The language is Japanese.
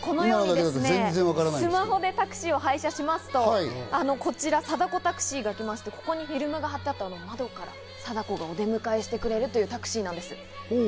スマホでタクシーを配車しますと、こちら貞子タクシーが来まして、ここにフィルムが張ってあって、窓から貞子が出迎えしてくれるというタクシーです。